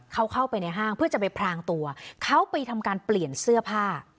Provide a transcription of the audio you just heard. เขาเข้าไปในห้างเพื่อจะไปพรางตัวเขาไปทำการเปลี่ยนเสื้อผ้า